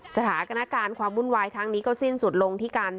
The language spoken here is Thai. สถานการณ์ความวุ่นวายครั้งนี้ก็สิ้นสุดลงที่การ